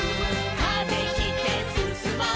「風切ってすすもう」